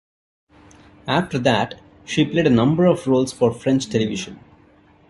After that, she played a number of roles for French television.